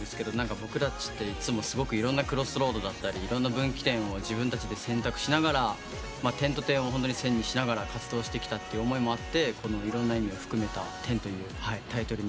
僕らとしていつもいろんなクロスロードだったりいろんな分岐点を自分たちで選択しながら点と点をホントに線にしながら活動してきたって思いもあっていろんな意味を含めた『Ｘ』というタイトルにさせていただきました。